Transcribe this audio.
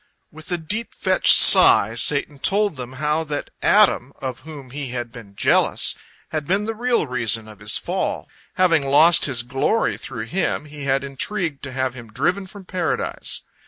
With a deep fetched sigh, Satan told them how that Adam, of whom he had been jealous, had been the real reason of his fall. Having lost his glory through him, he had intrigued to have him driven from Paradise.